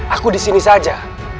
aku di sini saja